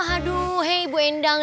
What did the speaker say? aduh hei ibu endang